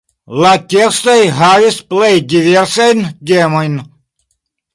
La tekstoj havis plej diversajn temojn.